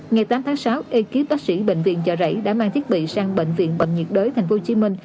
ngày tám tháng sáu ekip tác sĩ bệnh viện chợ rẫy đã mang thiết bị sang bệnh viện bệnh nhiệt đới tp hcm